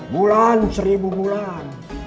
bulan seribu bulan